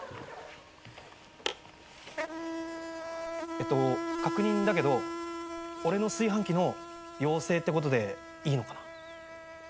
えっと確認だけど俺の炊飯器の妖精ってことでいいのかな？